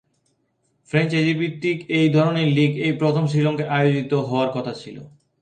Franchise ভিত্তিক এই ধরনের লীগ এই প্রথম শ্রীলঙ্কায় আয়োজিত হওয়ার কথা ছিল।